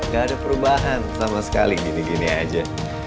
gak ada perubahan sama sekali gini gini aja